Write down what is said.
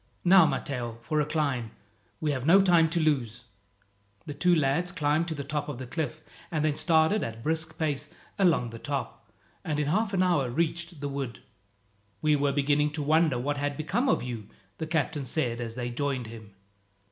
"Now, Matteo, for a climb. We have no time to lose." The two lads climbed to the top of the cliff, and then started at a brisk pace along the top, and in half an hour reached the wood. "We were beginning to wonder what had become of you," the captain said as they joined him.